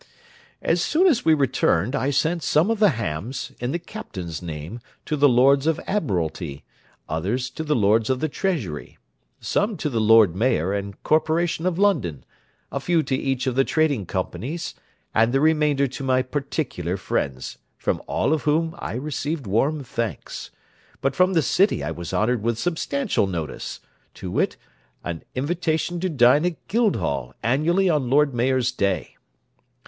As soon as we returned I sent some of the hams, in the captain's name, to the Lords of Admiralty, others to the Lords of the Treasury, some to the Lord Mayor and Corporation of London, a few to each of the trading companies, and the remainder to my particular friends, from all of whom I received warm thanks; but from the city I was honoured with substantial notice, viz., an invitation to dine at Guildhall annually on Lord Mayor's day.